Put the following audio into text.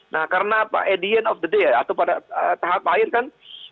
nah karena apa at the end of the day atau pada tahap akhir kan